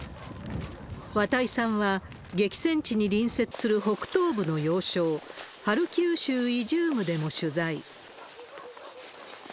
綿井さんは、激戦地に隣接する北東部の要衝、ハルキウ州イジュームでも取材。